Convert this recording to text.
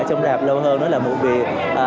trong rạp lâu hơn đó là một việc